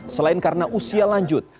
selain karena usia lanjut